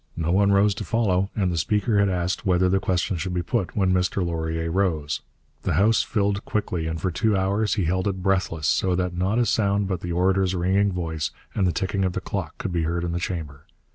No one rose to follow, and the speaker had asked whether the question should be put, when Mr Laurier rose. The House filled quickly, and for two hours he held it breathless, so that not a sound but the orator's ringing voice and the ticking of the clock could be heard in the chamber.